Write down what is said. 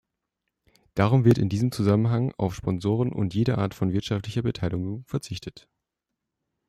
Darum wird in diesem Zusammenhang auf Sponsoren und jede Art von wirtschaftlicher Beteiligung verzichtet.